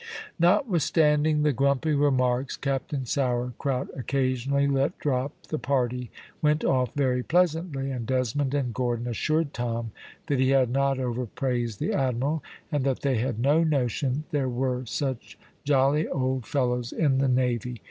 Notwithstanding the grumpy remarks Captain Sourcrout occasionally let drop, the party went off very pleasantly, and Desmond and Gordon assured Tom that he had not overpraised the admiral, and that they had no notion there were such jolly old fellows in the navy.